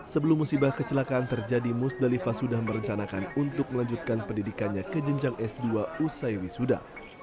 sebelum musibah kecelakaan terjadi musdalifah sudah merencanakan untuk melanjutkan pendidikannya ke jenjang s dua usai wisuda